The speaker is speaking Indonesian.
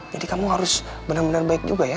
jadi kamu harus bener bener baik juga ya